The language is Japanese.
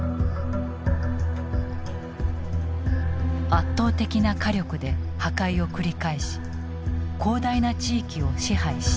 圧倒的な火力で破壊を繰り返し広大な地域を支配した。